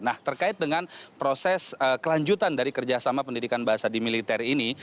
nah terkait dengan proses kelanjutan dari kerjasama pendidikan bahasa di militer ini